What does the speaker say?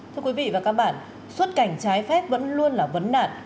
thưa quý vị và các bạn xuất cảnh trái phép vẫn luôn là vấn nạn